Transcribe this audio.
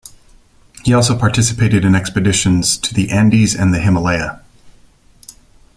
He also participated in expeditions to the Andes and the Himalaya.